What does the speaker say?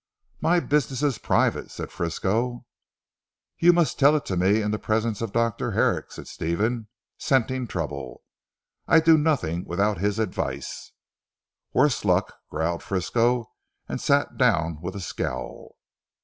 "My business is private," said Frisco. "You must tell it to me in the presence of, Dr. Herrick," said Stephen, scenting trouble; "I do nothing without his advice." "Worse luck," growled Frisco, and sat down with a scowl.